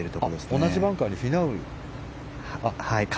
同じバンカーにフィナウも。